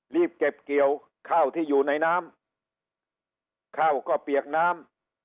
รีบเก็บเกี่ยวข้าวที่อยู่ในน้ำข้าวก็เปียกน้ำ